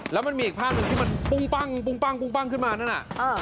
แล้วมันมีอีกภาพหนึ่งที่มันปุ้งปั้งขึ้นมานั่นน่ะ